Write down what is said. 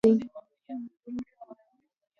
تاریخ یو تکړه استاد دی.